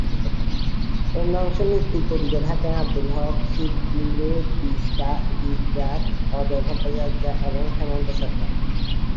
অন্য অংশের নেতৃত্ব দিতে থাকেন আবদুল হক, শরদিন্দু দস্তিদার, অজয় ভট্টাচার্য এবং হেমন্ত সরকার।